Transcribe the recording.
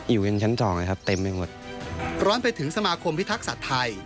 อยู่กันชั้น๒ครับเต็มไปหมด